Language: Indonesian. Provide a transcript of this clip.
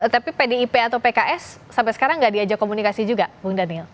tapi pdip atau pks sampai sekarang nggak diajak komunikasi juga bung daniel